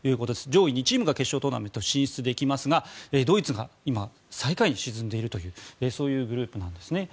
上位２チームが決勝トーナメント進出できますがドイツが今、最下位に沈んでいるというグループなんですね。